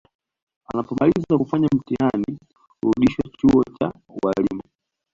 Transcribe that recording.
Anapomaliza kufanya mtihani hurudishwa chuo cha ualimu